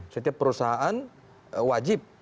setiap perusahaan wajib